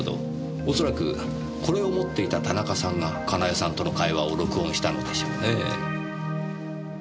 おそらくこれを持っていた田中さんが香奈恵さんとの会話を録音したのでしょうねえ。